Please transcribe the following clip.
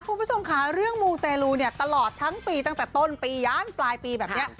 คุณผู้ชมค่ะเรื่องมูเตลูเนี่ยตลอดทั้งปีตั้งแต่ต้นปีย้านปลายปีแบบนี้